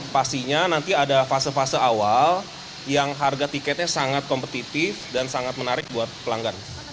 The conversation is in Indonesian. pastinya nanti ada fase fase awal yang harga tiketnya sangat kompetitif dan sangat menarik buat pelanggan